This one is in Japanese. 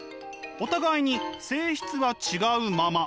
お互いに性質は違うまま。